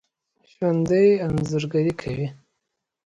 ژوندي انځورګري کوي